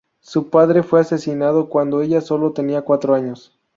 Su padre fue asesinado cuándo ella sólo tenía cuatro años.